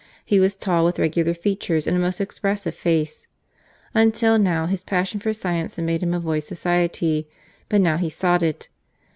He was tall, with regular features and a most expressive face. Until now, his passion for science had made him avoid society, but now he sought it.